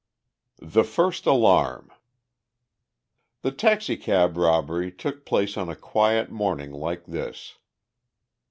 The First Alarm The taxicab robbery took place on a quiet morning like this.